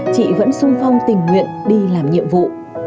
chị vẫn sung phong tình nguyện đi làm nhiệm vụ